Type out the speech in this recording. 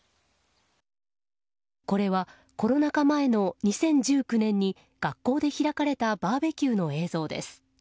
これは、コロナ禍前の２０１９年に学校で開かれたバーベキューの映像です。